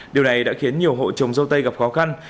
điều này đã khiến nhiều hộ trồng dâu tây gặp khó khăn